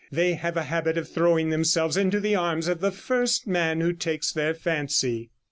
They have a habit of throwing themselves into the arms of the first man who takes their fancy.